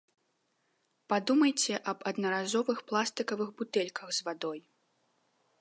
Падумайце аб аднаразовых пластыкавых бутэльках з вадой.